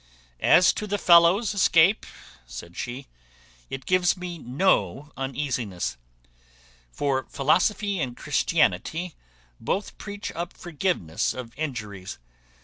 "As to the fellow's escape," said she, "it gives me no uneasiness; for philosophy and Christianity both preach up forgiveness of injuries.